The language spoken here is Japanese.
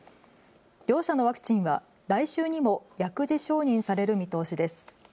両社のワクチンは来週にも薬事承認される見通しです。